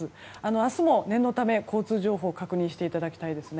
明日も念のため交通情報確認していただきたいですね。